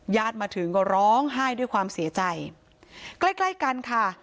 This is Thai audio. ญาติมาถึงก็ร้องไห้ด้วยความเสียใจใกล้ใกล้กันค่ะ